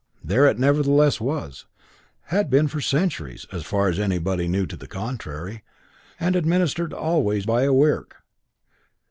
There it nevertheless was, had been for centuries, so far as anybody knew to the contrary, and administered always by a Wirk.